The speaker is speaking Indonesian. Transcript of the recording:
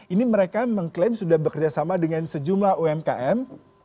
ini mereka mengklaim sudah bekerjasama dengan sejumlah umkm